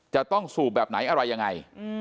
จะต้องสูบแบบไหนอะไรยังไง